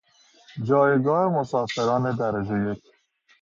جایگاه مسافران درجه یک